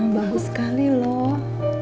bagus sekali loh